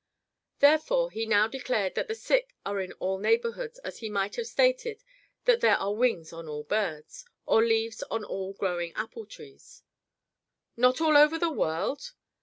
Therefore he now declared that the sick are in all neighborhoods as he might have stated that there are wings on all birds, or leaves on all growing apple trees. "Not all over the world?"